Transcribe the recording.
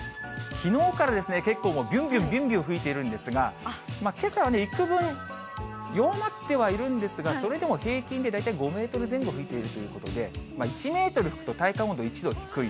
きのうから結構びゅんびゅんびゅんびゅん吹いているんですが、けさはいくぶん弱まってはいるんですが、それでも平均で大体５メートル前後吹いているということで、１メートル吹くと体感温度１度低い。